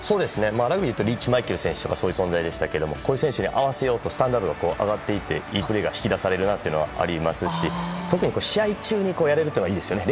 ラグビーでいうとリーチ・マイケル選手とかそういう存在でしたがこういう選手に合わせようとスタンダードが上がっていっていいプレーが引き出されるのはありますし特に試合中にやれるのがいいですよね。